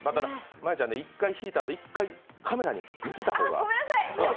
真悠ちゃんね、一回引いたあとカメラに見せた方が。